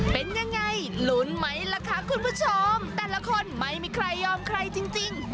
เป็นยังไงลุ้นไหมล่ะคะคุณผู้ชมแต่ละคนไม่มีใครยอมใครจริง